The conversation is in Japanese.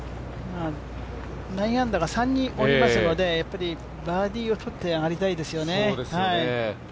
９アンダーが３人おりますので、やっぱりバーディーをとって上がりたいですよね。